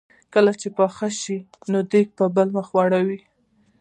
کله چې پخه شي نو دیګ په بل مخ واړوي.